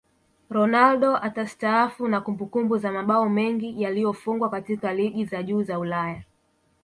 Ronaldo atastaafu na kumbukumbu za mabao mengi yaliyofungwa katika ligi za juu za Ulaya